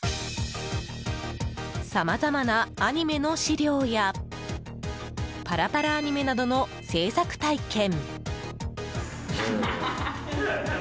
さまざまなアニメの資料やパラパラアニメなどの制作体験。